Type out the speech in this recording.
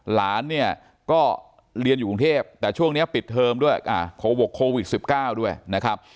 หลานเนี่ยก็เรียนอยู่กรุงเทพแต่ช่วงนี้ปิดเทอมด้วยโควิดโควิด๑๙ด้วยนะครับ